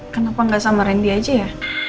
kenapa nggak sama randy aja ya